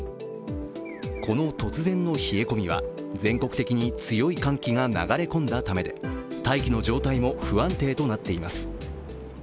この突然の冷え込みは全国的に強い寒気が流れ込んだためで大気の状態も不安定となっています。